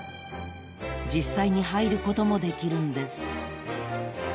［実際に入ることもできるんです］